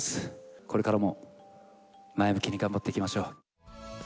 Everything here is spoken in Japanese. これからも前向きに頑張っていきましょう。